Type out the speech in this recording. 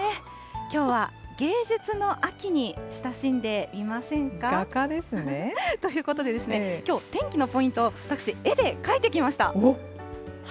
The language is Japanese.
きょうは芸術の秋に親しんでみませんか？ということで、きょう、天気のポイントを私、絵で描いてきました。